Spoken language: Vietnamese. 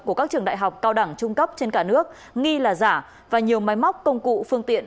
của các trường đại học cao đẳng trung cấp trên cả nước nghi là giả và nhiều máy móc công cụ phương tiện